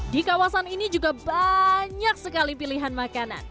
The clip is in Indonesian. di kawasan ini juga banyak sekali pilihan makanan